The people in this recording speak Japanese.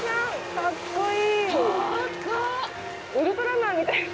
かっこいい。